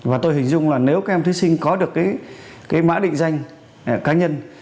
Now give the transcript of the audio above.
và tôi hình dung là nếu các em thí sinh có được cái mã định danh cá nhân